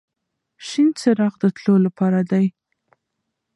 شین څراغ د تلو لپاره دی.